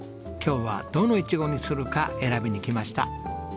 今日はどのいちごにするか選びに来ました。